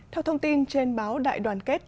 theo thông tin trên báo đại đoàn kết